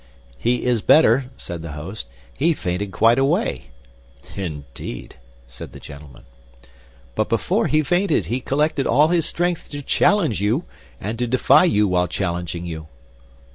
"He is better," said the host, "he fainted quite away." "Indeed!" said the gentleman. "But before he fainted, he collected all his strength to challenge you, and to defy you while challenging you."